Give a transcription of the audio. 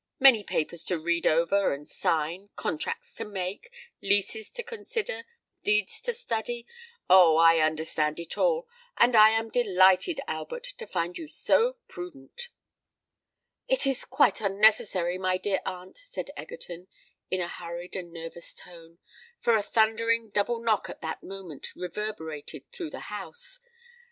"Many papers to read over and sign—contracts to make—leases to consider—deeds to study—Oh! I understand it all; and I am delighted, Albert, to find you so prudent." "It is quite necessary, my dear aunt," said Egerton, in a hurried and nervous tone, for a thundering double knock at that moment reverberated through the house.